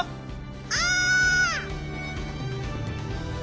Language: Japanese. お！